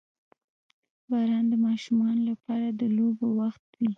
• باران د ماشومانو لپاره د لوبو وخت وي.